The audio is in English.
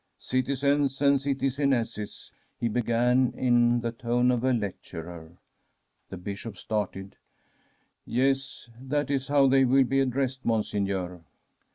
'" Citizens and citizenesses," he began in the tone of a lecturer. The Bishop started. ' Yes, that is how they will be addressed, Mon seigneur.'